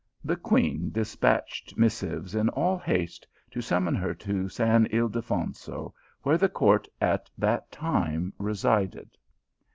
The queen despatched missives in all haste, to summon her to St. Ildefonso, where the court at that time resided.